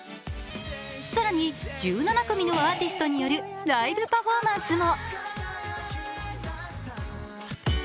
更に、１７組のアーティストによるライブパフォーマンスも。